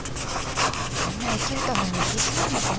みんな生きるために必死なんですね。